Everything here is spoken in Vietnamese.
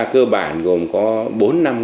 cơ bản gồm có bốn năm